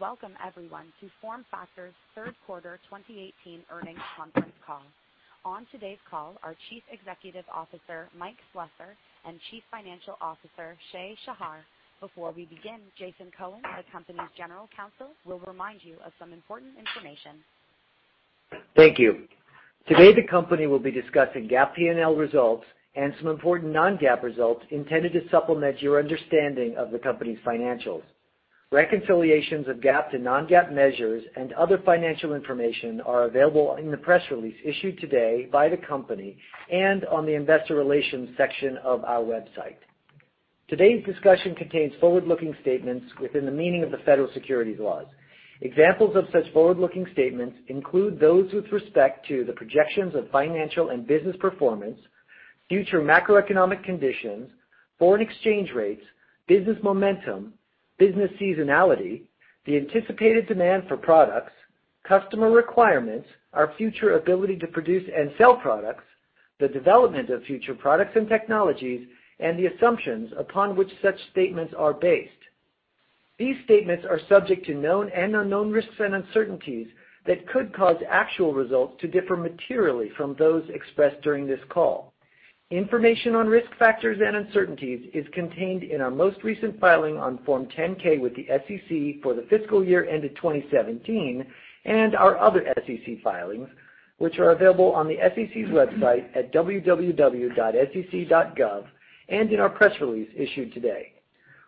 Welcome everyone to FormFactor's third quarter 2018 earnings conference call. On today's call, our Chief Executive Officer, Mike Slessor, and Chief Financial Officer, Shai Shahar. Before we begin, Jason Cohen, the company's General Counsel, will remind you of some important information. Thank you. Today, the company will be discussing GAAP P&L results and some important non-GAAP results intended to supplement your understanding of the company's financials. Reconciliations of GAAP to non-GAAP measures and other financial information are available in the press release issued today by the company and on the investor relations section of our website. Today's discussion contains forward-looking statements within the meaning of the federal securities laws. Examples of such forward-looking statements include those with respect to the projections of financial and business performance, future macroeconomic conditions, foreign exchange rates, business momentum, business seasonality, the anticipated demand for products, customer requirements, our future ability to produce and sell products, the development of future products and technologies, and the assumptions upon which such statements are based. These statements are subject to known and unknown risks and uncertainties that could cause actual results to differ materially from those expressed during this call. Information on risk factors and uncertainties is contained in our most recent filing on Form 10-K with the SEC for the fiscal year ended 2017, and our other SEC filings, which are available on the SEC's website at www.sec.gov, and in our press release issued today.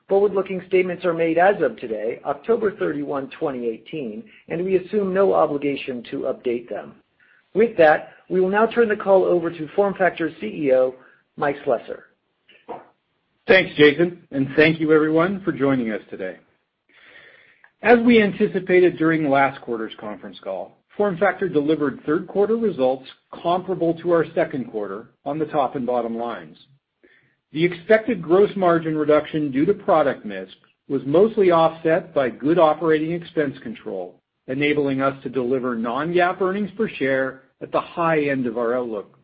Forward-looking statements are made as of today, October 31, 2018. We assume no obligation to update them. With that, we will now turn the call over to FormFactor CEO, Mike Slessor. Thanks, Jason, and thank you, everyone, for joining us today. As we anticipated during last quarter's conference call, FormFactor delivered third quarter results comparable to our second quarter on the top and bottom lines. The expected gross margin reduction due to product mix was mostly offset by good operating expense control, enabling us to deliver non-GAAP earnings per share at the high end of our outlook.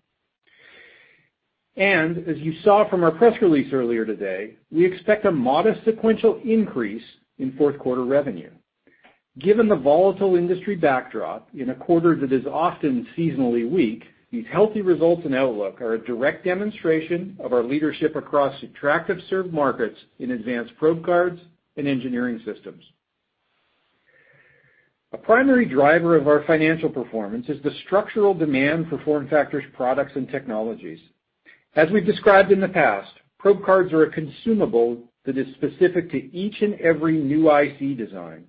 As you saw from our press release earlier today, we expect a modest sequential increase in fourth quarter revenue. Given the volatile industry backdrop in a quarter that is often seasonally weak, these healthy results and outlook are a direct demonstration of our leadership across attractive served markets in advanced probe cards and engineering systems. A primary driver of our financial performance is the structural demand for FormFactor's products and technologies. As we've described in the past, probe cards are a consumable that is specific to each and every new IC design.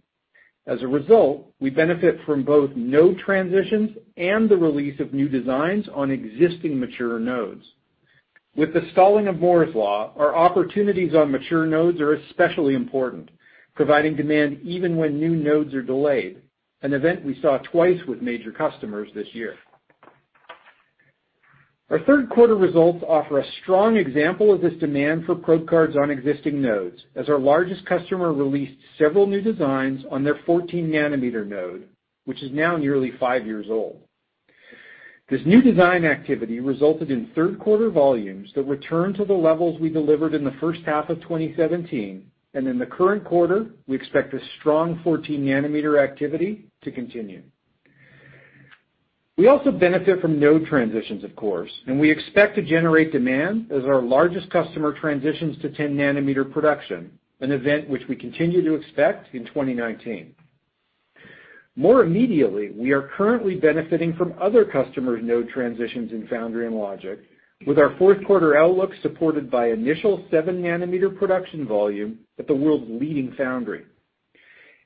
As a result, we benefit from both node transitions and the release of new designs on existing mature nodes. With the stalling of Moore's Law, our opportunities on mature nodes are especially important, providing demand even when new nodes are delayed, an event we saw twice with major customers this year. Our third quarter results offer a strong example of this demand for probe cards on existing nodes, as our largest customer released several new designs on their 14 nanometer node, which is now nearly five years old. This new design activity resulted in third quarter volumes that returned to the levels we delivered in the first half of 2017, and in the current quarter, we expect this strong 14 nanometer activity to continue. We also benefit from node transitions, of course. We expect to generate demand as our largest customer transitions to 10 nanometer production, an event which we continue to expect in 2019. More immediately, we are currently benefiting from other customers' node transitions in foundry and logic, with our fourth quarter outlook supported by initial seven nanometer production volume at the world's leading foundry.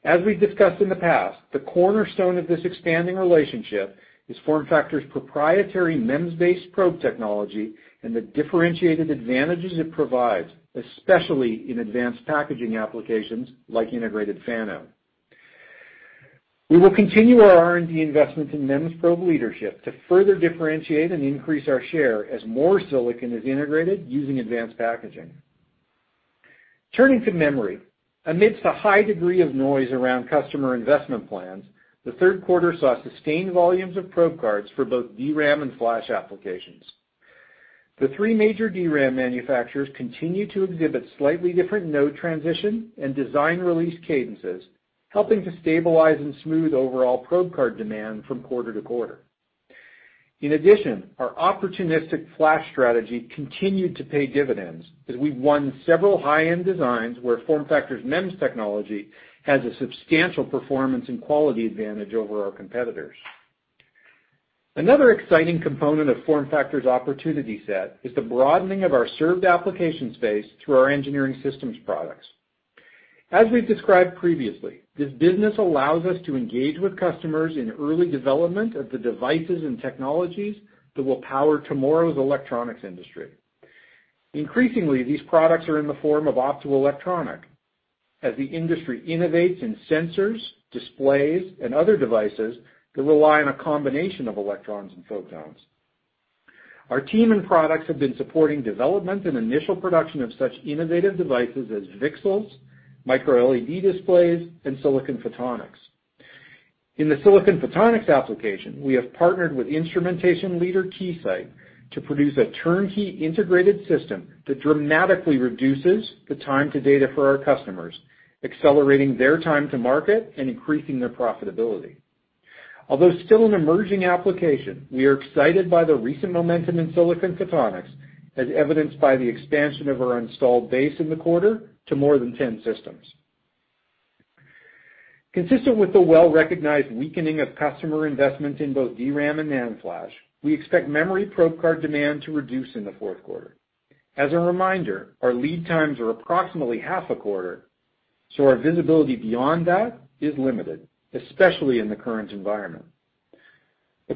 As we've discussed in the past, the cornerstone of this expanding relationship is FormFactor's proprietary MEMS-based probe technology and the differentiated advantages it provides, especially in advanced packaging applications like integrated fan-out. We will continue our R&D investment in MEMS probe leadership to further differentiate and increase our share as more silicon is integrated using advanced packaging. Turning to memory. Amidst the high degree of noise around customer investment plans, the third quarter saw sustained volumes of probe cards for both DRAM and flash applications. The three major DRAM manufacturers continue to exhibit slightly different node transition and design release cadences, helping to stabilize and smooth overall probe card demand from quarter to quarter. In addition, our opportunistic flash strategy continued to pay dividends as we won several high-end designs where FormFactor's MEMS technology has a substantial performance and quality advantage over our competitors. Another exciting component of FormFactor's opportunity set is the broadening of our served application space through our engineering systems products. As we've described previously, this business allows us to engage with customers in early development of the devices and technologies that will power tomorrow's electronics industry. Increasingly, these products are in the form of optoelectronic as the industry innovates in sensors, displays, and other devices that rely on a combination of electrons and photons. Our team and products have been supporting development and initial production of such innovative devices as VCSELs, microLED displays, and silicon photonics. In the silicon photonics application, we have partnered with instrumentation leader Keysight to produce a turnkey integrated system that dramatically reduces the time to data for our customers, accelerating their time to market and increasing their profitability. Although still an emerging application, we are excited by the recent momentum in silicon photonics, as evidenced by the expansion of our installed base in the quarter to more than 10 systems. Consistent with the well-recognized weakening of customer investment in both DRAM and NAND flash, we expect memory probe card demand to reduce in the fourth quarter. As a reminder, our lead times are approximately half a quarter, our visibility beyond that is limited, especially in the current environment.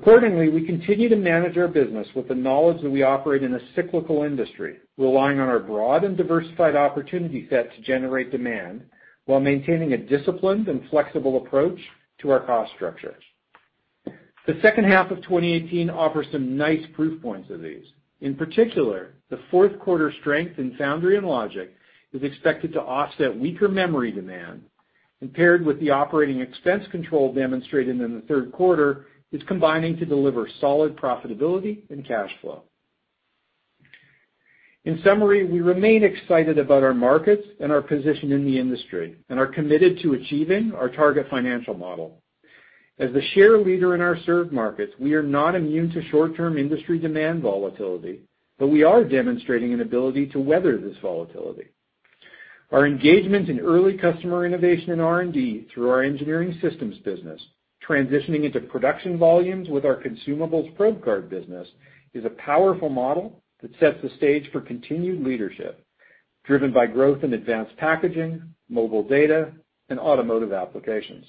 We continue to manage our business with the knowledge that we operate in a cyclical industry, relying on our broad and diversified opportunity set to generate demand, while maintaining a disciplined and flexible approach to our cost structure. The second half of 2018 offers some nice proof points of these. In particular, the fourth quarter strength in foundry and logic is expected to offset weaker memory demand, and paired with the operating expense control demonstrated in the third quarter, is combining to deliver solid profitability and cash flow. In summary, we remain excited about our markets and our position in the industry and are committed to achieving our target financial model. As the share leader in our served markets, we are not immune to short-term industry demand volatility, but we are demonstrating an ability to weather this volatility. Our engagement in early customer innovation and R&D through our engineering systems business, transitioning into production volumes with our consumables probe card business, is a powerful model that sets the stage for continued leadership, driven by growth in advanced packaging, mobile data, and automotive applications.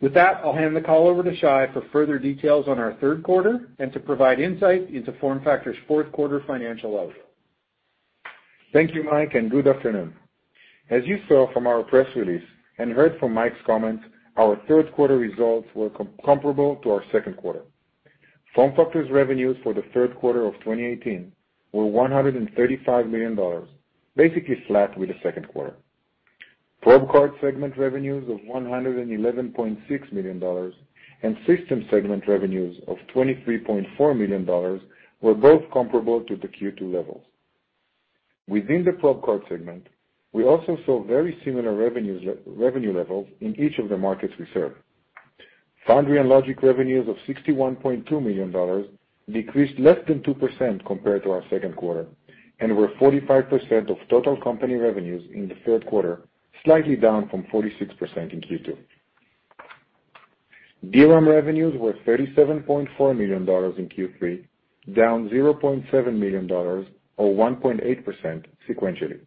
With that, I'll hand the call over to Shai for further details on our third quarter and to provide insight into FormFactor's fourth quarter financial outlook. Thank you, Mike, and good afternoon. As you saw from our press release and heard from Mike's comments, our third quarter results were comparable to our second quarter. FormFactor's revenues for the third quarter of 2018 were $135 million, basically flat with the second quarter. Probe card segment revenues of $111.6 million and systems segment revenues of $23.4 million were both comparable to the Q2 levels. Within the probe card segment, we also saw very similar revenue levels in each of the markets we serve. Foundry and logic revenues of $61.2 million decreased less than 2% compared to our second quarter and were 45% of total company revenues in the third quarter, slightly down from 46% in Q2. DRAM revenues were $37.4 million in Q3, down $0.7 million, or 1.8% sequentially.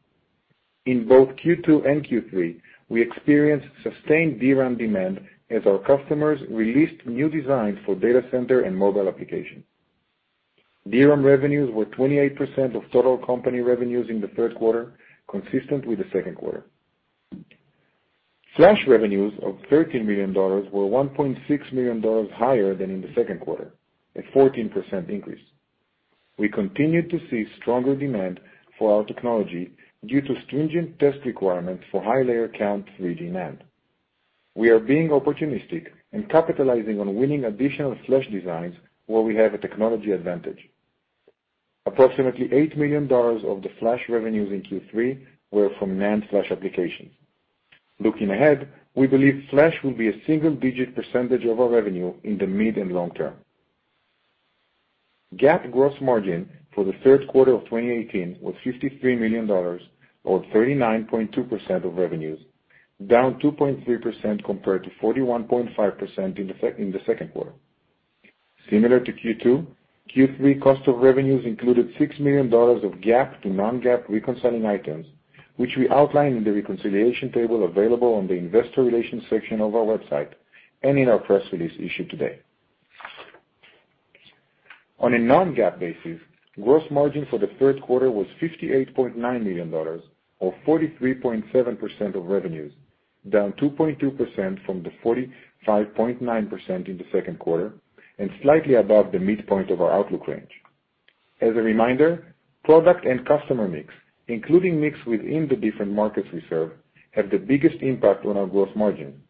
In both Q2 and Q3, we experienced sustained DRAM demand as our customers released new designs for data center and mobile application. DRAM revenues were 28% of total company revenues in the third quarter, consistent with the second quarter. Flash revenues of $13 million were $1.6 million higher than in the second quarter, a 14% increase. We continued to see stronger demand for our technology due to stringent test requirements for high layer count 3D NAND. We are being opportunistic and capitalizing on winning additional flash designs where we have a technology advantage. Approximately $8 million of the flash revenues in Q3 were from NAND flash applications. Looking ahead, we believe flash will be a single-digit percentage of our revenue in the mid- and long term. GAAP gross margin for the third quarter of 2018 was $53 million or 39.2% of revenues, down 2.3% compared to 41.5% in the second quarter. Similar to Q2, Q3 cost of revenues included $6 million of GAAP to non-GAAP reconciling items, which we outline in the reconciliation table available on the investor relations section of our website and in our press release issued today. On a non-GAAP basis, gross margin for the third quarter was $58.9 million or 43.7% of revenues, down 2.2% from the 45.9% in the second quarter and slightly above the midpoint of our outlook range. As a reminder, product and customer mix, including mix within the different markets we serve, have the biggest impact on our gross margin,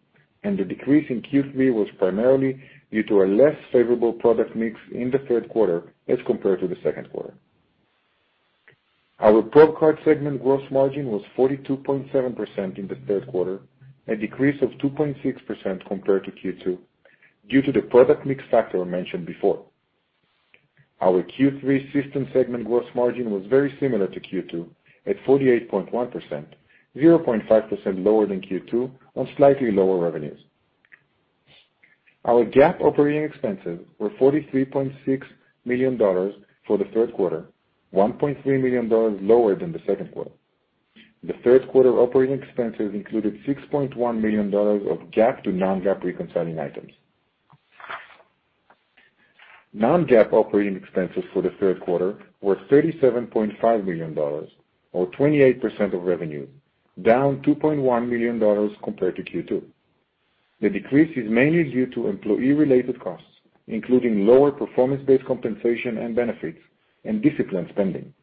and the decrease in Q3 was primarily due to a less favorable product mix in the third quarter as compared to the second quarter. Our probe card segment gross margin was 42.7% in the third quarter, a decrease of 2.6% compared to Q2 due to the product mix factor I mentioned before. Our Q3 systems segment gross margin was very similar to Q2 at 48.1%, 0.5% lower than Q2 on slightly lower revenues. Our GAAP operating expenses were $43.6 million for the third quarter, $1.3 million lower than the second quarter. The third quarter operating expenses included $6.1 million of GAAP to non-GAAP reconciling items. Non-GAAP operating expenses for the third quarter were $37.5 million or 28% of revenue, down $2.1 million compared to Q2. The decrease is mainly due to employee-related costs, including lower performance-based compensation and benefits and disciplined spending.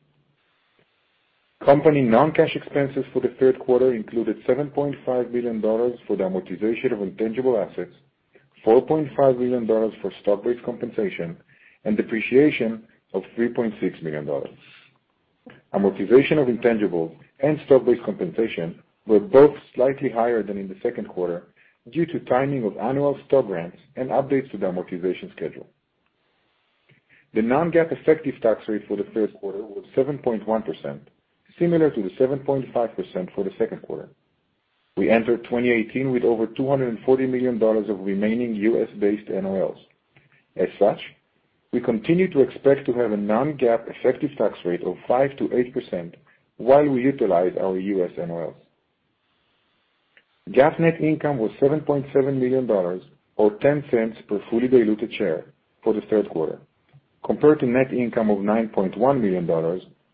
Non-cash expenses for the third quarter included $7.5 million for the amortization of intangible assets, $4.5 million for stock-based compensation, and depreciation of $3.6 million. Amortization of intangibles and stock-based compensation were both slightly higher than in the second quarter due to timing of annual stock grants and updates to the amortization schedule. The non-GAAP effective tax rate for the third quarter was 7.1%, similar to the 7.5% for the second quarter. We entered 2018 with over $240 million of remaining U.S.-based NOLs. As such, we continue to expect to have a non-GAAP effective tax rate of 5% to 8% while we utilize our U.S. NOLs. GAAP net income was $7.7 million, or $0.10 per fully diluted share for the third quarter, compared to net income of $9.1 million,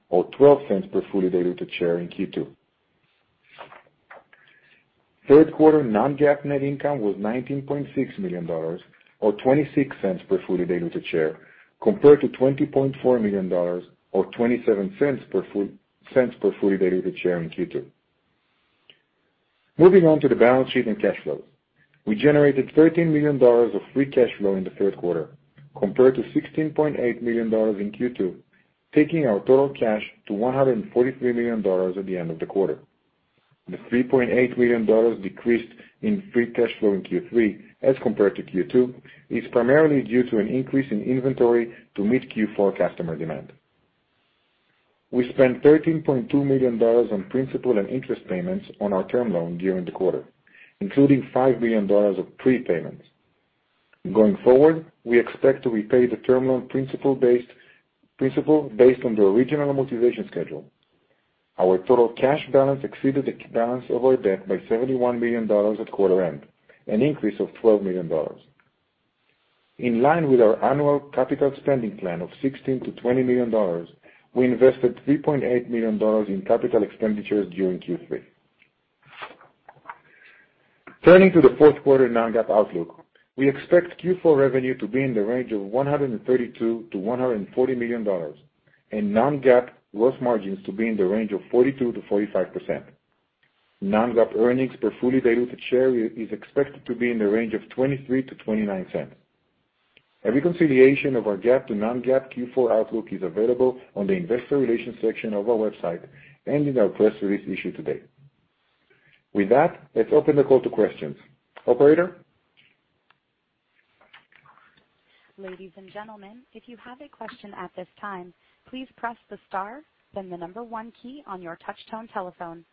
or $0.12 per fully diluted share in Q2. Third quarter non-GAAP net income was $19.6 million, or $0.26 per fully diluted share, compared to $20.4 million or $0.27 per fully diluted share in Q2. Moving on to the balance sheet and cash flows. We generated $13 million of free cash flow in the third quarter, compared to $16.8 million in Q2, taking our total cash to $143 million at the end of the quarter. The $3.8 million decrease in free cash flow in Q3 as compared to Q2, is primarily due to an increase in inventory to meet Q4 customer demand. We spent $13.2 million on principal and interest payments on our term loan during the quarter, including $5 million of prepayments. Going forward, we expect to repay the term loan principal based on the original amortization schedule. Our total cash balance exceeded the balance of our debt by $71 million at quarter end, an increase of $12 million. In line with our annual capital spending plan of $16 million-$20 million, we invested $3.8 million in capital expenditures during Q3. Turning to the fourth quarter non-GAAP outlook, we expect Q4 revenue to be in the range of $132 million-$140 million, and non-GAAP gross margins to be in the range of 42%-45%. non-GAAP earnings per fully diluted share is expected to be in the range of $0.23-$0.29. A reconciliation of our GAAP to non-GAAP Q4 outlook is available on the investor relations section of our website and in our press release issued today. With that, let's open the call to questions. Operator. Ladies and gentlemen, if you have a question at this time, please press the star, then the number one key on your touchtone telephone.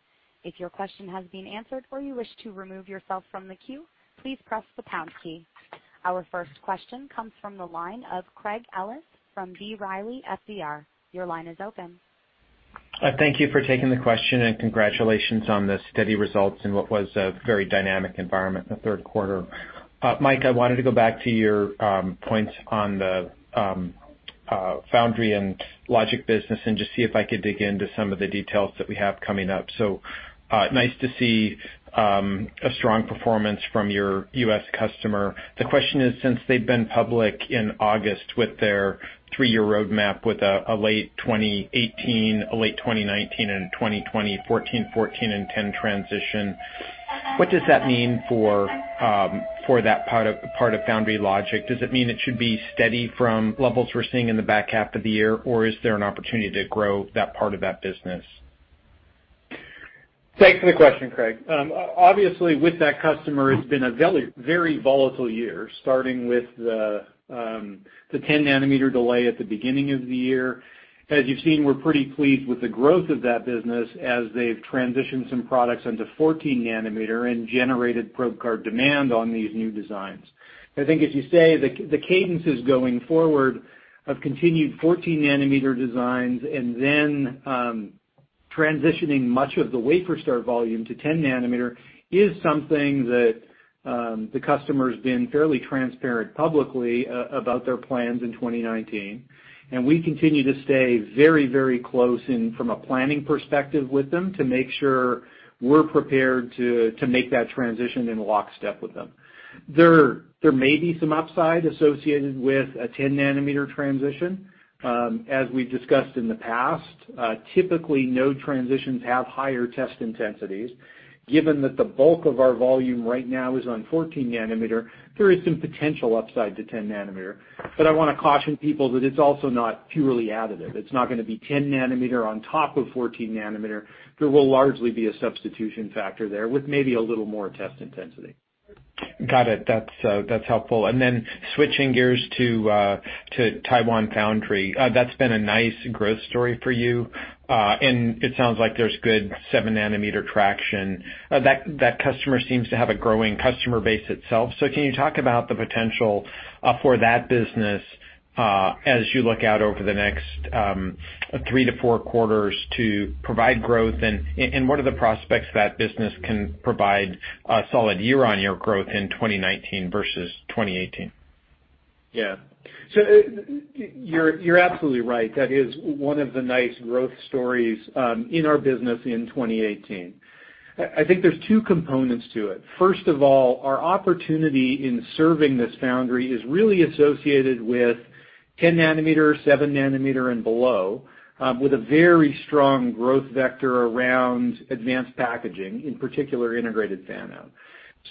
If your question has been answered or you wish to remove yourself from the queue, please press the pound key. Our first question comes from the line of Craig Ellis from B. Riley FBR. Your line is open. Thank you for taking the question, and congratulations on the steady results in what was a very dynamic environment in the third quarter. Mike, I wanted to go back to your points on the foundry and logic business and just see if I could dig into some of the details that we have coming up. Nice to see a strong performance from your U.S. customer. The question is, since they have been public in August with their three-year roadmap with a late 2018, a late 2019, and 2020 14, and 10 transition, what does that mean for that part of foundry logic? Does it mean it should be steady from levels we are seeing in the back half of the year, or is there an opportunity to grow that part of that business? Thanks for the question, Craig. Obviously, with that customer, it has been a very volatile year, starting with the 10 nanometer delay at the beginning of the year. As you have seen, we are pretty pleased with the growth of that business as they have transitioned some products into 14 nanometer and generated probe card demand on these new designs. I think, as you say, the cadence is going forward of continued 14 nanometer designs and then transitioning much of the wafer start volume to 10 nanometer is something that the customer has been fairly transparent publicly about their plans in 2019. We continue to stay very close from a planning perspective with them to make sure we are prepared to make that transition in lockstep with them. There may be some upside associated with a 10 nanometer transition. As we have discussed in the past, typically, new transitions have higher test intensities. Given that the bulk of our volume right now is on 14 nanometer, there is some potential upside to 10 nanometer. I want to caution people that it's also not purely additive. It's not going to be 10 nanometer on top of 14 nanometer. There will largely be a substitution factor there with maybe a little more test intensity. Got it. That's helpful. Switching gears to Taiwan Foundry, that's been a nice growth story for you. It sounds like there's good seven-nanometer traction. That customer seems to have a growing customer base itself. Can you talk about the potential for that business as you look out over the next three to four quarters to provide growth, and what are the prospects that business can provide a solid year-on-year growth in 2019 versus 2018? You're absolutely right. That is one of the nice growth stories in our business in 2018. I think there's two components to it. First of all, our opportunity in serving this foundry is really associated with 10 nanometer, 7 nanometer, and below, with a very strong growth vector around advanced packaging, in particular, integrated fan-out.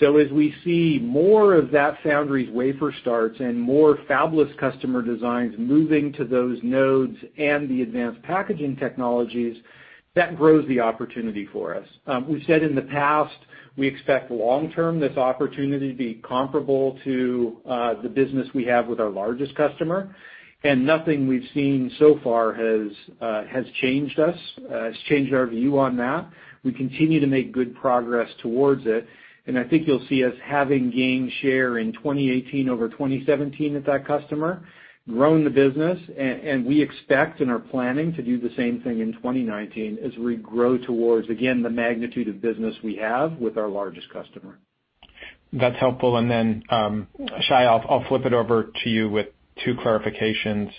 As we see more of that foundry's wafer starts and more fabless customer designs moving to those nodes and the advanced packaging technologies, that grows the opportunity for us. We've said in the past, we expect long-term, this opportunity to be comparable to the business we have with our largest customer, and nothing we've seen so far has changed our view on that. We continue to make good progress towards it. I think you'll see us having gained share in 2018 over 2017 with that customer, growing the business. We expect and are planning to do the same thing in 2019 as we grow towards, again, the magnitude of business we have with our largest customer. That's helpful. Shai, I'll flip it over to you with two clarifications.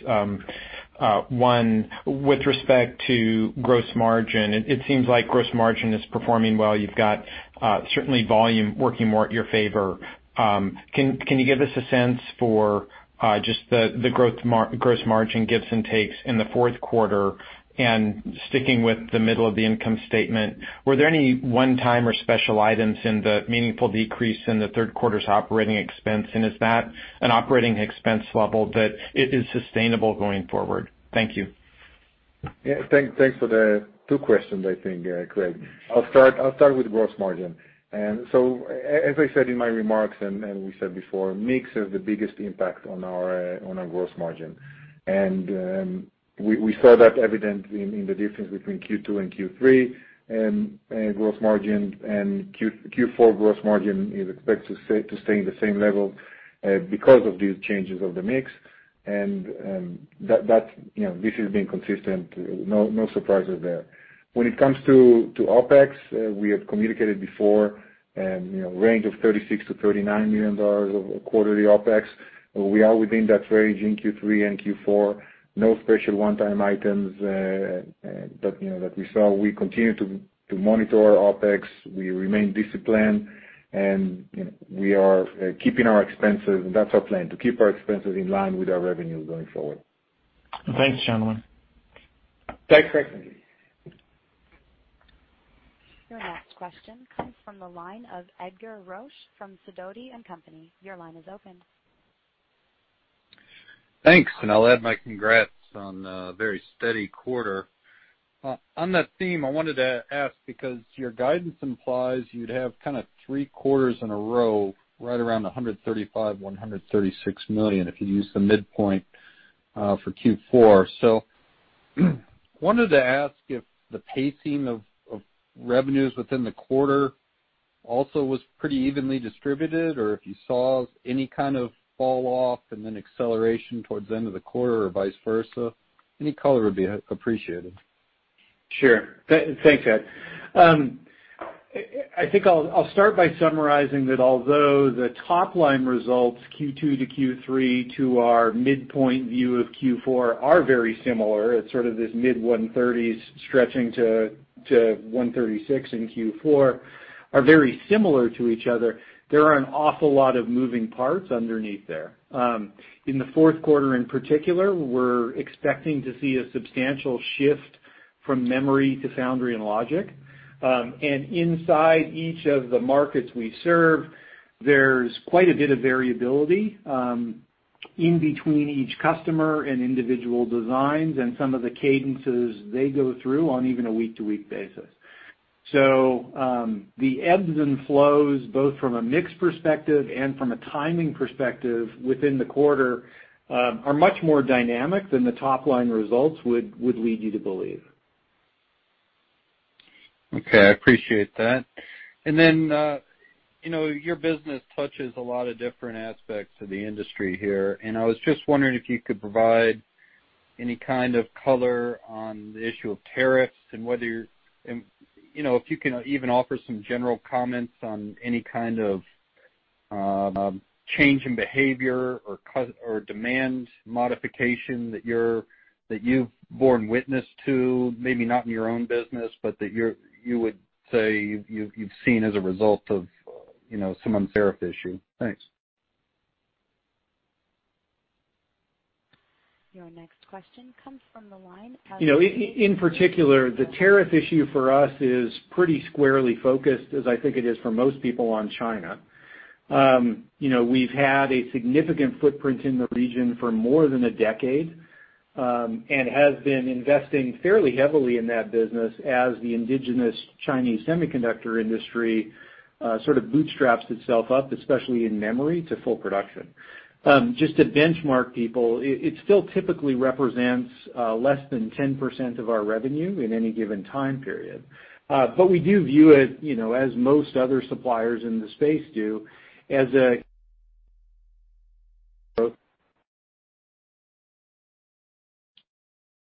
One, with respect to gross margin, it seems like gross margin is performing well. You've got certainly volume working more at your favor. Can you give us a sense for just the gross margin gives and takes in the fourth quarter? Sticking with the middle of the income statement, were there any one-time or special items in the meaningful decrease in the third quarter's operating expense, and is that an operating expense level that it is sustainable going forward? Thank you. Yeah. Thanks for the two questions, I think, Craig. I'll start with gross margin. As I said in my remarks and we said before, mix has the biggest impact on our gross margin. We saw that evident in the difference between Q2 and Q3, gross margin and Q4 gross margin is expected to stay the same level because of these changes of the mix. This has been consistent. No surprises there. When it comes to OpEx, we have communicated before, range of $36 million-$39 million of quarterly OpEx. We are within that range in Q3 and Q4. No special one-time items that we saw. We continue to monitor our OpEx. We remain disciplined, we are keeping our expenses, and that's our plan, to keep our expenses in line with our revenue going forward. Thanks, gentlemen. Thanks, Craig. Your next question comes from the line of Edgar Roesch from Sidoti & Company. Your line is open. Thanks. I'll add my congrats on a very steady quarter. On that theme, I wanted to ask because your guidance implies you'd have kind of three quarters in a row, right around $135 million, $136 million, if you use the midpoint for Q4. Wanted to ask if the pacing of revenues within the quarter also was pretty evenly distributed, or if you saw any kind of fall off and then acceleration towards the end of the quarter or vice versa? Any color would be appreciated. Sure. Thanks, Ed. I think I'll start by summarizing that although the top-line results, Q2 to Q3 to our midpoint view of Q4 are very similar, it's sort of this mid-$130s stretching to $136 million in Q4, are very similar to each other. There are an awful lot of moving parts underneath there. In the fourth quarter, in particular, we're expecting to see a substantial shift from memory to foundry and logic. Inside each of the markets we serve, there's quite a bit of variability in between each customer and individual designs and some of the cadences they go through on even a week-to-week basis. The ebbs and flows, both from a mix perspective and from a timing perspective within the quarter, are much more dynamic than the top-line results would lead you to believe. Okay, I appreciate that. Your business touches a lot of different aspects of the industry here, and I was just wondering if you could provide any kind of color on the issue of tariffs and if you can even offer some general comments on any kind of change in behavior or demand modification that you've borne witness to, maybe not in your own business, but that you would say you've seen as a result of some tariff issue. Thanks. Your next question comes from the line of. In particular, the tariff issue for us is pretty squarely focused, as I think it is for most people, on China. We've had a significant footprint in the region for more than a decade, and have been investing fairly heavily in that business as the indigenous Chinese semiconductor industry sort of bootstraps itself up, especially in memory, to full production. Just to benchmark people, it still typically represents less than 10% of our revenue in any given time period. We do view it, as most other suppliers in the space do, as a.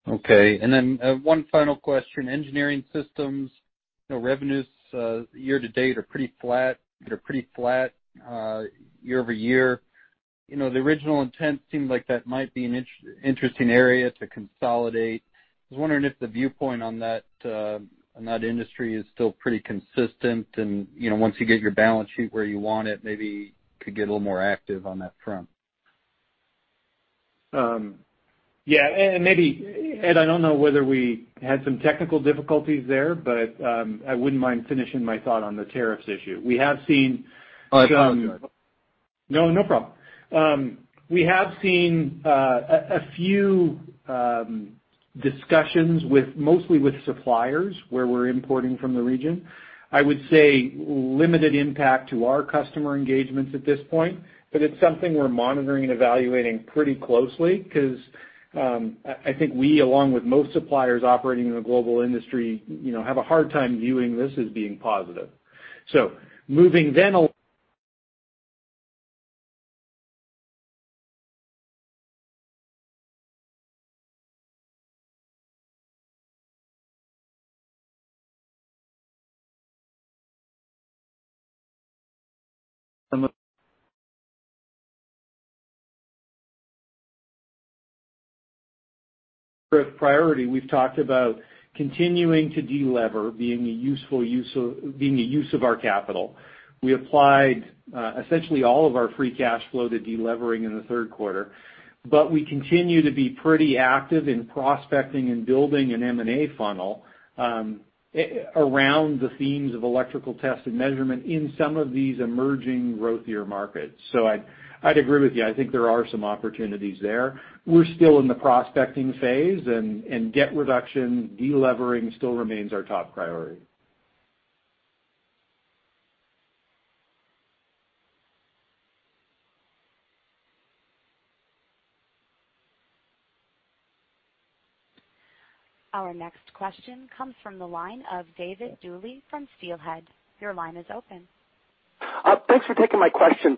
Okay. Then one final question. Engineering systems revenues year-to-date are pretty flat year-over-year. The original intent seemed like that might be an interesting area to consolidate. I was wondering if the viewpoint on that industry is still pretty consistent, and once you get your balance sheet where you want it, maybe could get a little more active on that front. Yeah. Maybe, Ed, I don't know whether we had some technical difficulties there, I wouldn't mind finishing my thought on the tariffs issue. We have seen. Oh, sorry. Go ahead No problem. We have seen a few discussions, mostly with suppliers, where we're importing from the region. I would say limited impact to our customer engagements at this point, but it's something we're monitoring and evaluating pretty closely because, I think we, along with most suppliers operating in the global industry, have a hard time viewing this as being positive. Moving then a priority, we've talked about continuing to de-lever being a use of our capital. We applied essentially all of our free cash flow to de-levering in the 3rd quarter, but we continue to be pretty active in prospecting and building an M&A funnel around the themes of electrical test and measurement in some of these emerging growthier markets. I'd agree with you. I think there are some opportunities there. We're still in the prospecting phase, and debt reduction, de-levering, still remains our top priority. Our next question comes from the line of David Duley from Steelhead. Your line is open. Thanks for taking my question.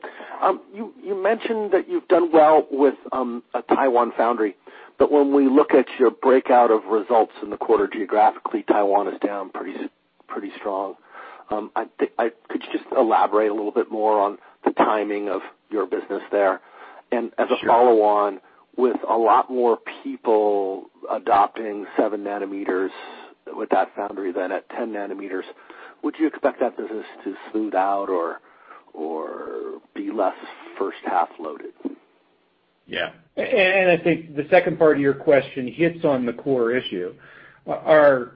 You mentioned that you've done well with a Taiwan foundry, but when we look at your breakout of results in the quarter geographically, Taiwan is down pretty strong. Could you just elaborate a little bit more on the timing of your business there? Sure. As a follow-on, with a lot more people adopting seven nanometers with that foundry than at 10 nanometers, would you expect that business to smooth out or be less first-half loaded? Yeah. I think the second part of your question hits on the core issue. Our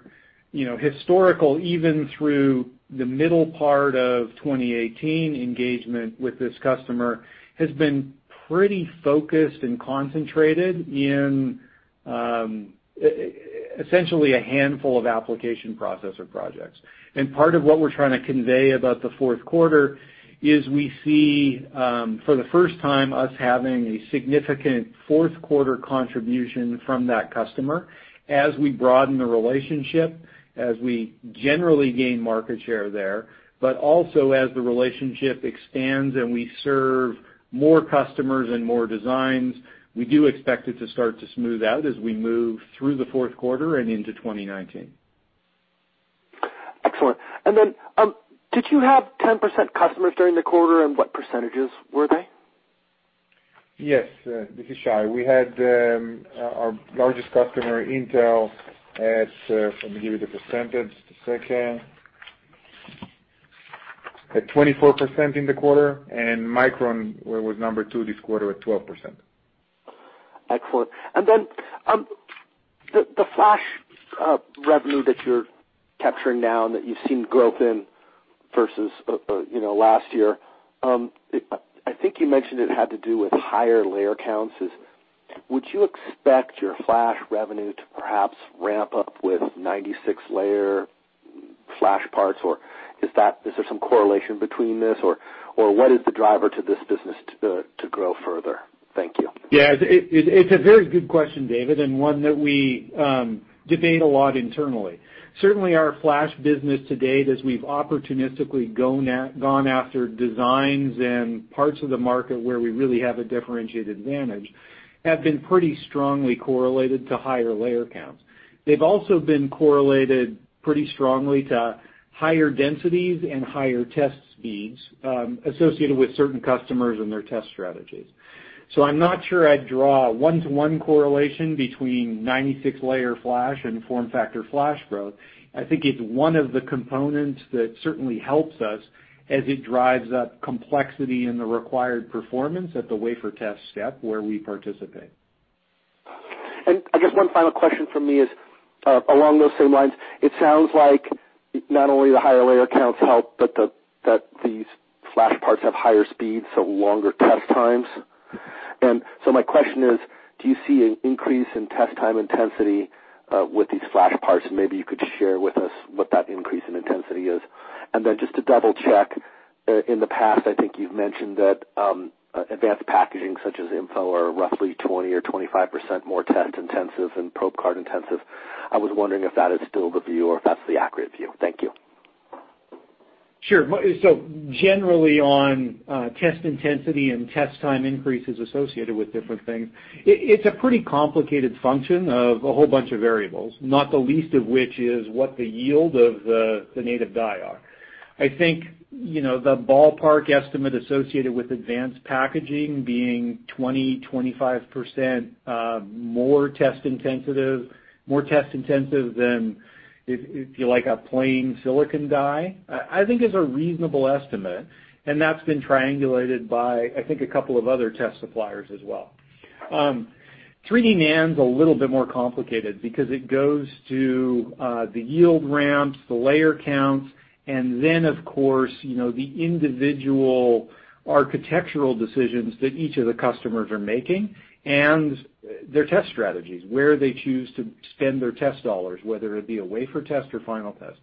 historical, even through the middle part of 2018, engagement with this customer has been pretty focused and concentrated in essentially a handful of application processor projects. Part of what we're trying to convey about the fourth quarter is we see, for the first time, us having a significant fourth quarter contribution from that customer as we broaden the relationship, as we generally gain market share there, but also as the relationship expands and we serve more customers and more designs. We do expect it to start to smooth out as we move through the fourth quarter and into 2019. Excellent. Did you have 10% customers during the quarter, and what percentages were they? Yes. This is Shai. We had our largest customer, Intel, at, let me give you the percentage, just a second. At 24% in the quarter, Micron was number 2 this quarter at 12%. Excellent. The flash revenue that you're capturing now and that you've seen growth in versus last year, I think you mentioned it had to do with higher layer counts. Would you expect your flash revenue to perhaps ramp up with 96-layer flash parts, or is there some correlation between this, or what is the driver to this business to grow further? Thank you. Yeah. It's a very good question, David, and one that we debate a lot internally. Certainly, our flash business to date, as we've opportunistically gone after designs and parts of the market where we really have a differentiated advantage, have been pretty strongly correlated to higher layer counts. They've also been correlated pretty strongly to higher densities and higher test speeds associated with certain customers and their test strategies. I'm not sure I'd draw a one-to-one correlation between 96-layer flash and FormFactor flash growth. I think it's one of the components that certainly helps us as it drives up complexity in the required performance at the wafer test step where we participate. I guess one final question from me is along those same lines. It sounds like not only the higher layer counts help, but that these flash parts have higher speeds, so longer test times. My question is: Do you see an increase in test time intensity with these flash parts? Maybe you could share with us what that increase in intensity is. Then just to double-check, in the past, I think you've mentioned that advanced packaging such as InFO are roughly 20% or 25% more test intensive and probe card intensive. I was wondering if that is still the view or if that's the accurate view. Thank you. Sure. Generally on test intensity and test time increases associated with different things, it's a pretty complicated function of a whole bunch of variables, not the least of which is what the yield of the native die are. I think, the ballpark estimate associated with advanced packaging being 20%, 25% more test intensive than, if you like, a plain silicon die, I think is a reasonable estimate. That's been triangulated by, I think, a couple of other test suppliers as well. 3D NAND's a little bit more complicated because it goes to the yield ramps, the layer counts, and then, of course, the individual architectural decisions that each of the customers are making and their test strategies, where they choose to spend their test dollars, whether it be a wafer test or final test.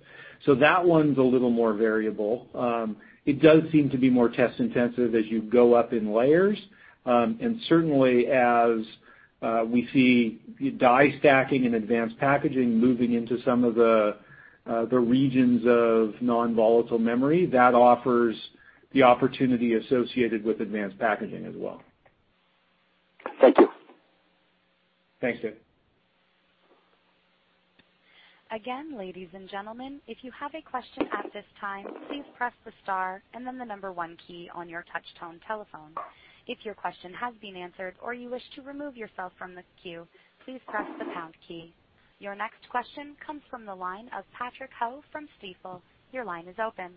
That one's a little more variable. It does seem to be more test-intensive as you go up in layers. Certainly, as we see die stacking and advanced packaging moving into some of the regions of non-volatile memory, that offers the opportunity associated with advanced packaging as well. Thank you. Thanks, Dave. Again, ladies and gentlemen, if you have a question at this time, please press the star and then the number one key on your touch tone telephone. If your question has been answered or you wish to remove yourself from the queue, please press the pound key. Your next question comes from the line of Patrick Ho from Stifel. Your line is open.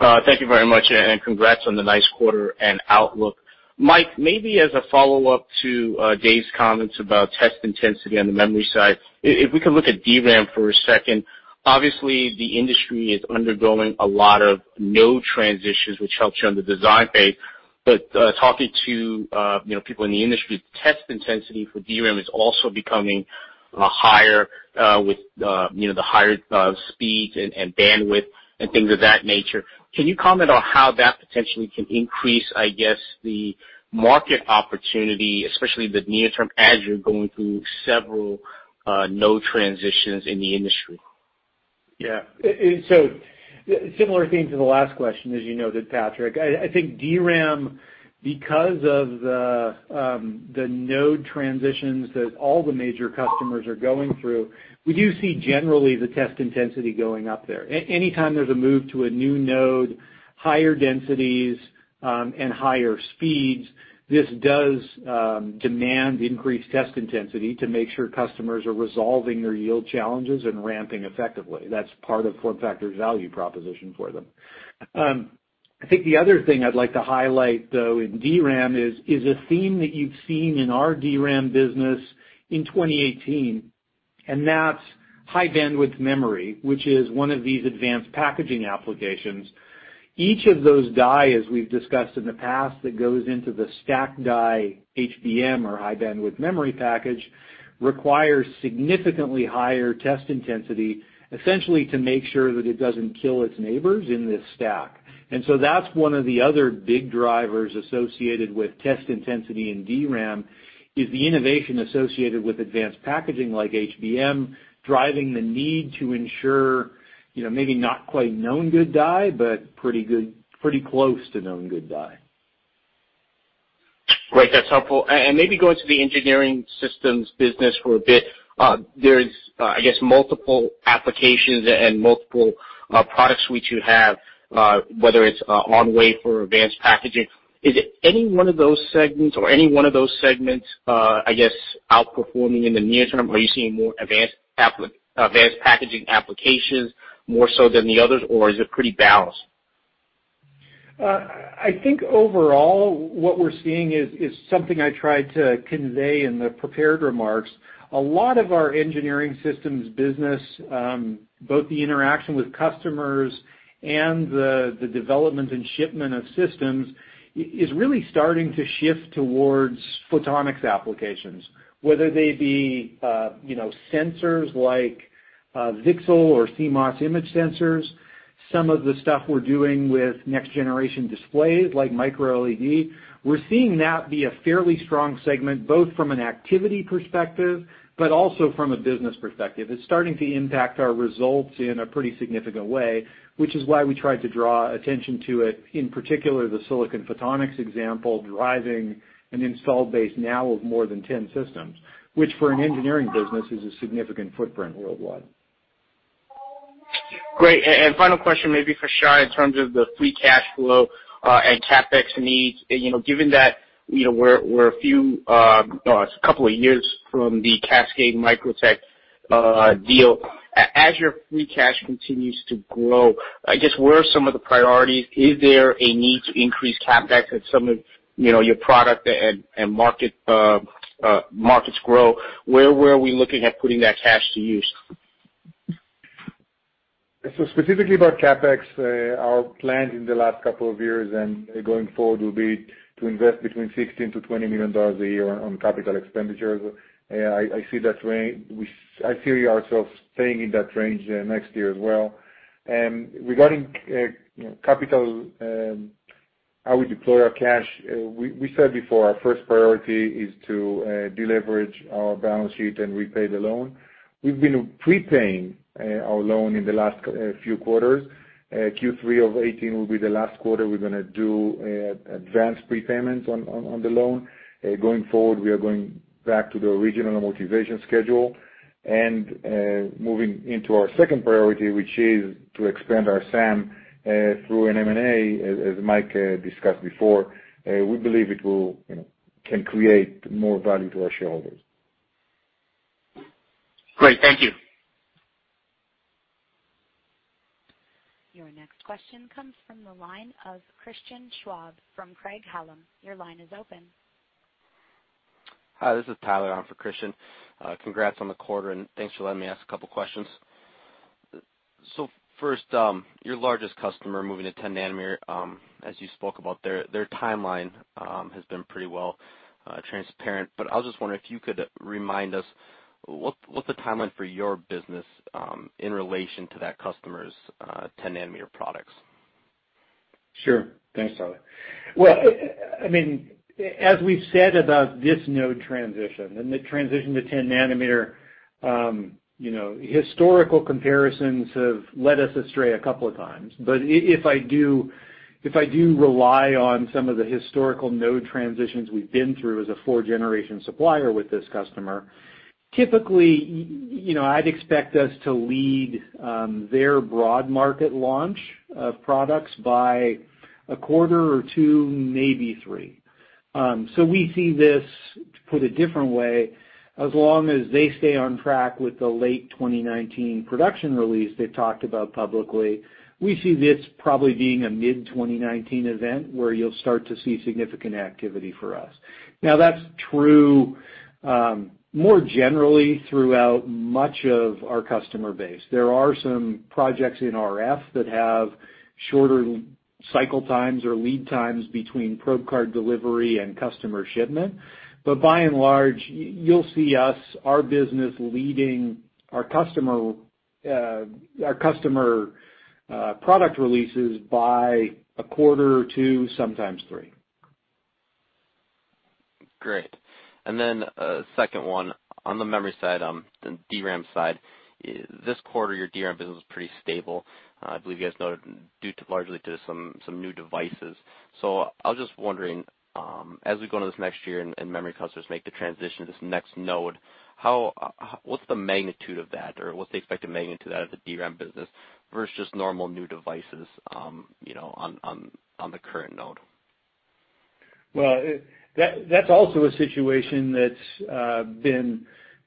Thank you very much, and congrats on the nice quarter and outlook. Mike, maybe as a follow-up to Dave's comments about test intensity on the memory side, if we can look at DRAM for a second. Obviously, the industry is undergoing a lot of node transitions, which helps you on the design phase. Talking to people in the industry, test intensity for DRAM is also becoming higher with the higher speeds and bandwidth and things of that nature. Can you comment on how that potentially can increase, I guess, the market opportunity, especially the near term, as you're going through several node transitions in the industry? Yeah. Similar theme to the last question, as you noted, Patrick. I think DRAM, because of the node transitions that all the major customers are going through, we do see generally the test intensity going up there. Anytime there's a move to a new node, higher densities, and higher speeds, this does demand increased test intensity to make sure customers are resolving their yield challenges and ramping effectively. That's part of FormFactor's value proposition for them. I think the other thing I'd like to highlight, though, in DRAM is a theme that you've seen in our DRAM business in 2018, and that's high-bandwidth memory, which is one of these advanced packaging applications. Each of those die, as we've discussed in the past, that goes into the stacked die HBM or high-bandwidth memory package, requires significantly higher test intensity, essentially to make sure that it doesn't kill its neighbors in this stack. That's one of the other big drivers associated with test intensity in DRAM, is the innovation associated with advanced packaging like HBM, driving the need to ensure maybe not quite known good die, but pretty close to known good die. Great. That's helpful. Maybe going to the engineering systems business for a bit. There's, I guess, multiple applications and multiple products which you have, whether it's on wafer or advanced packaging. Is any one of those segments, I guess, outperforming in the near term? Are you seeing more advanced packaging applications more so than the others, or is it pretty balanced? I think overall, what we're seeing is something I tried to convey in the prepared remarks. A lot of our engineering systems business, both the interaction with customers and the development and shipment of systems, is really starting to shift towards photonics applications. Whether they be sensors like VCSEL or CMOS image sensors, some of the stuff we're doing with next-generation displays like microLED, we're seeing that be a fairly strong segment, both from an activity perspective but also from a business perspective. It's starting to impact our results in a pretty significant way, which is why we tried to draw attention to it, in particular, the silicon photonics example, driving an installed base now of more than 10 systems, which for an engineering business, is a significant footprint worldwide. Great. Final question maybe for Shai in terms of the free cash flow and CapEx needs. Given that we're a couple of years from the Cascade Microtech deal, as your free cash continues to grow, I guess, where are some of the priorities? Is there a need to increase CapEx as some of your product and markets grow? Where are we looking at putting that cash to use? Specifically about CapEx, our plans in the last couple of years and going forward will be to invest between $16 million-$20 million a year on capital expenditures. I see ourselves staying in that range next year as well. Regarding capital, how we deploy our cash, we said before, our first priority is to deleverage our balance sheet and repay the loan. We've been prepaying our loan in the last few quarters. Q3 of 2018 will be the last quarter we're going to do advanced prepayments on the loan. Going forward, we are going back to the original amortization schedule. Moving into our second priority, which is to expand our SAM through an M&A, as Mike discussed before, we believe it can create more value to our shareholders. Great. Thank you. Your next question comes from the line of Christian Schwab from Craig-Hallum. Your line is open. Hi, this is Tyler on for Christian. Congrats on the quarter, and thanks for letting me ask a couple of questions. First, your largest customer moving to 10 nanometer, as you spoke about, their timeline has been pretty well transparent. I was just wondering if you could remind us what the timeline for your business in relation to that customer's 10 nanometer products. Sure. Thanks, Tyler. Well, as we've said about this node transition and the transition to 10 nanometer, historical comparisons have led us astray a couple of times. If I do rely on some of the historical node transitions we've been through as a four-generation supplier with this customer, typically, I'd expect us to lead their broad market launch of products by a quarter or two, maybe three. We see this, to put it a different way, as long as they stay on track with the late 2019 production release they've talked about publicly, we see this probably being a mid-2019 event where you'll start to see significant activity for us. Now, that's true more generally throughout much of our customer base. There are some projects in RF that have shorter cycle times or lead times between probe card delivery and customer shipment. By and large, you'll see us, our business, leading our customer product releases by a quarter or two, sometimes three. Great. A second one. On the memory side, the DRAM side, this quarter, your DRAM business was pretty stable. I believe you guys noted due largely to some new devices. I was just wondering, as we go into this next year and memory customers make the transition to this next node, what's the magnitude of that, or what's the expected magnitude of that at the DRAM business versus normal new devices on the current node? Well, that's also a situation that's been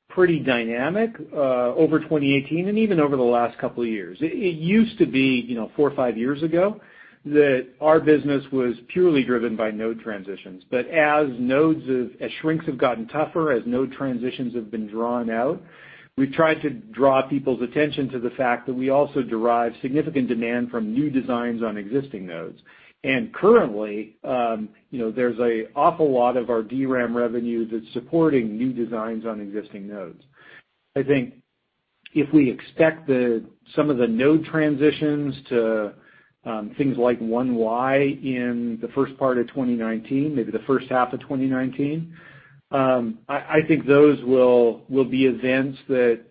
pretty dynamic over 2018 and even over the last couple of years. It used to be, four or five years ago, that our business was purely driven by node transitions. As shrinks have gotten tougher, as node transitions have been drawn out, we've tried to draw people's attention to the fact that we also derive significant demand from new designs on existing nodes. Currently, there's an awful lot of our DRAM revenue that's supporting new designs on existing nodes. I think if we expect some of the node transitions to things like 1Y in the first part of 2019, maybe the first half of 2019, I think those will be events that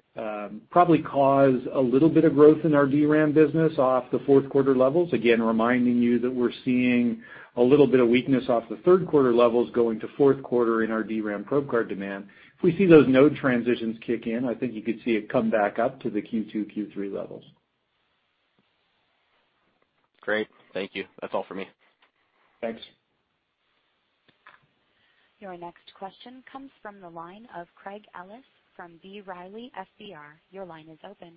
probably cause a little bit of growth in our DRAM business off the fourth quarter levels. Again, reminding you that we're seeing a little bit of weakness off the third quarter levels going to fourth quarter in our DRAM probe card demand. If we see those node transitions kick in, I think you could see it come back up to the Q2, Q3 levels. Great. Thank you. That's all for me. Thanks. Your next question comes from the line of Craig Ellis from B. Riley FBR. Your line is open.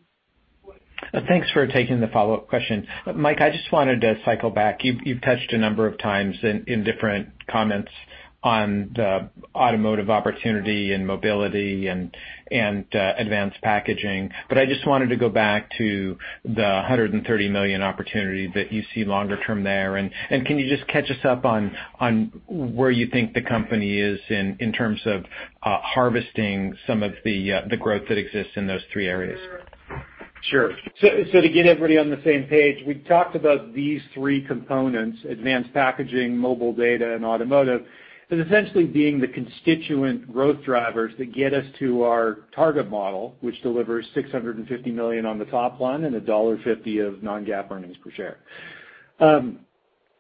Thanks for taking the follow-up question. Mike, I just wanted to cycle back. You've touched a number of times in different comments on the automotive opportunity in mobility and advanced packaging. I just wanted to go back to the $130 million opportunity that you see longer term there. Can you just catch us up on where you think the company is in terms of harvesting some of the growth that exists in those three areas? Sure. To get everybody on the same page, we've talked about these three components, advanced packaging, mobile data, and automotive, as essentially being the constituent growth drivers that get us to our target model, which delivers $650 million on the top line and $1.50 of non-GAAP earnings per share.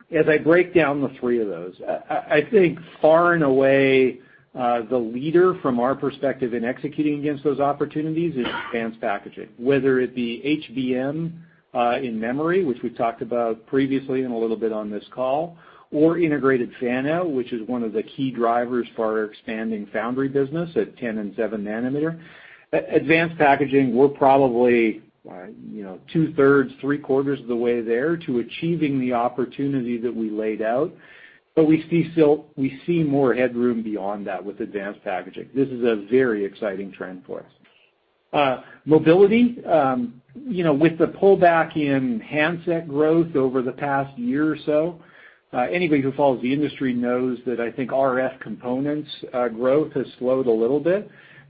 As I break down the three of those, I think far and away, the leader from our perspective in executing against those opportunities is advanced packaging. Whether it be HBM in memory, which we've talked about previously and a little bit on this call, or integrated fan-out, which is one of the key drivers for our expanding foundry business at 10 and seven nanometer. Advanced packaging, we're probably two-thirds, three-quarters of the way there to achieving the opportunity that we laid out. We see more headroom beyond that with advanced packaging. This is a very exciting trend for us. Mobility, with the pullback in handset growth over the past year or so, anybody who follows the industry knows that I think RF components growth has slowed a little bit.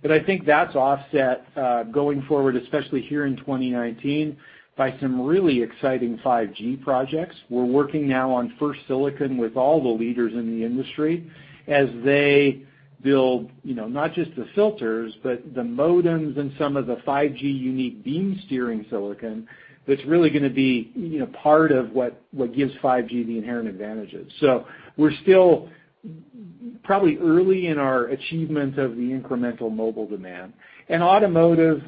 I think that's offset going forward, especially here in 2019, by some really exciting 5G projects. We're working now on first silicon with all the leaders in the industry as they build not just the filters, but the modems and some of the 5G unique beam steering silicon that's really going to be part of what gives 5G the inherent advantages. We're still probably early in our achievement of the incremental mobile demand. Automotive,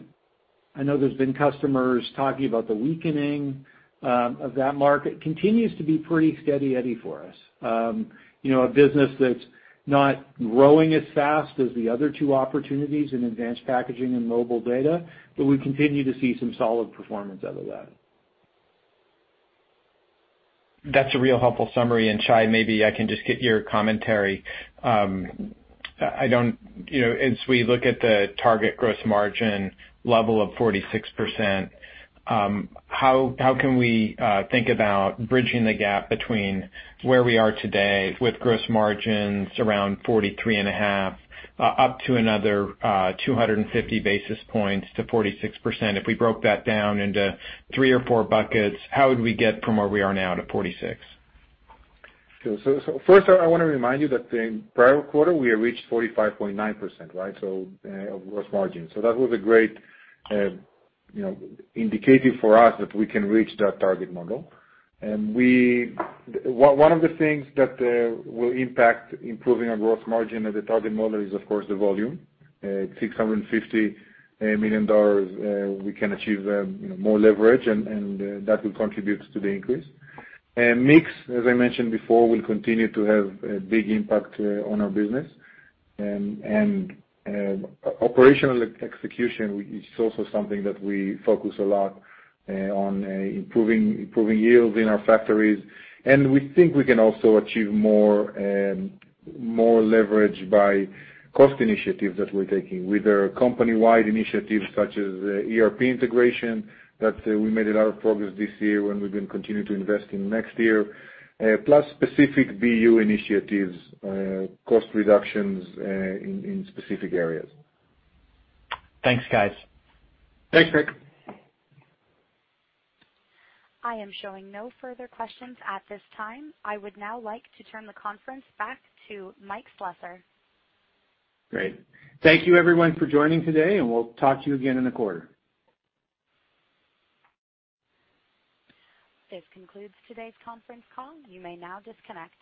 I know there's been customers talking about the weakening of that market, continues to be pretty steady for us. A business that's not growing as fast as the other two opportunities in advanced packaging and mobile data. We continue to see some solid performance out of that. That's a real helpful summary. Shai, maybe I can just get your commentary. As we look at the target gross margin level of 46%, how can we think about bridging the gap between where we are today with gross margins around 43.5% up to another 250 basis points to 46%? If we broke that down into three or four buckets, how would we get from where we are now to 46%? First, I want to remind you that in prior quarter, we reached 45.9%, right? Gross margin. That was a great indicator for us that we can reach that target model. One of the things that will impact improving our gross margin as a target model is, of course, the volume. At $650 million, we can achieve more leverage, and that will contribute to the increase. Mix, as I mentioned before, will continue to have a big impact on our business. Operational execution is also something that we focus a lot on improving yields in our factories. We think we can also achieve more leverage by cost initiatives that we're taking with our company-wide initiatives, such as ERP integration, that we made a lot of progress this year and we're going to continue to invest in next year, plus specific BU initiatives, cost reductions in specific areas. Thanks, guys. Thanks, Craig. I am showing no further questions at this time. I would now like to turn the conference back to Mike Slessor. Great. Thank you everyone for joining today, and we'll talk to you again in the quarter. This concludes today's conference call. You may now disconnect.